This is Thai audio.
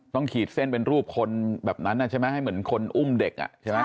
ขีดเส้นเป็นรูปคนแบบนั้นใช่ไหมให้เหมือนคนอุ้มเด็กอ่ะใช่ไหม